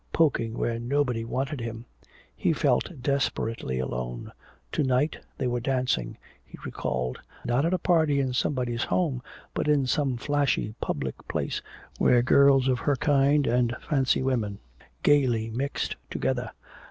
Poking where nobody wanted him! He felt desperately alone. To night they were dancing, he recalled, not at a party in somebody's home, but in some flashy public place where girls of her kind and fancy women gaily mixed together!